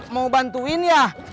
mau bantuin ya